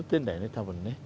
多分ね。